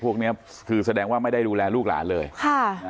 พวกเนี้ยคือแสดงว่าไม่ได้ดูแลลูกหลานเลยค่ะ